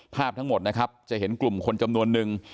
ภาพทั้งหมดนะครับจะเห็นกลุ่มคนจำนวนนึง